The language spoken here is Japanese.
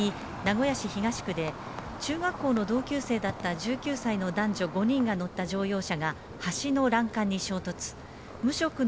きのう午前翌日に名古屋市東区で中学校の同級生だった１９歳の男女５人が乗った乗用車が橋の欄干に衝突。